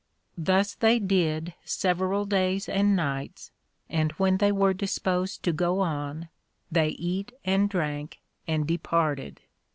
Thus they did several days and nights, and when they were disposed to go on they eat and drank, and departed.